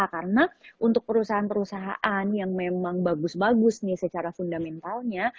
karena untuk perusahaan perusahaan yang memang bagus bagus nih secara fundamentalnya